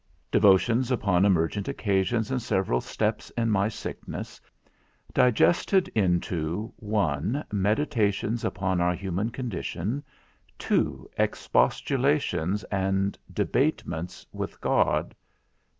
DEVOTIONS VPON Emergent Occasions and seuerall steps in my Sicknes. Digested into 1. MEDITATIONS upon our Humane Condition. 2. EXPOSTULATIONS, and Debatements with God.